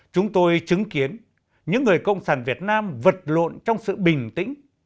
chúng tôi chứng kiến những người cộng sản việt nam vật lộn trong sự bình tĩnh